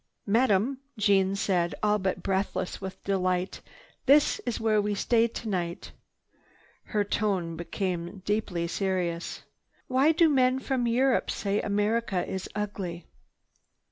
"Madame," Jeanne said, all but breathless with delight, "this is where we stay tonight." Her tone became deeply serious. "Why do men from Europe say America is ugly?